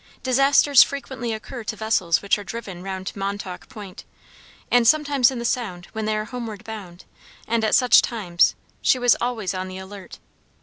Disasters frequently occur to vessels which are driven round Montauk Point, and sometimes in the Sound when they are homeward bound; and at such times she was always on the alert.